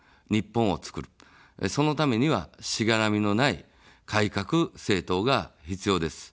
そのためには、しがらみのない改革政党が必要です。